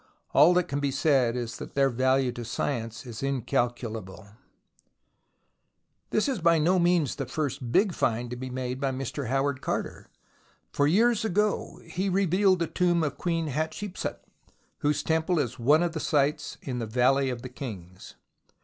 All that can be said is that their value to science is incalculable. 94 THE ROMANCE OF EXCAVATION This is by no means the first big find to be made by Mr. Howard Carter, for years ago he revealed the tomb of Queen Hatshepsut, whose temple is one of the sights of the Valley of the Kings.